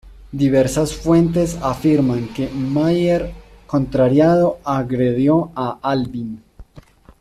Diversas fuentes afirman que Myer contrariado agredió a Alvin.